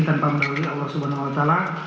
tanpa mudah mudahan allah subhanahu wa ta'ala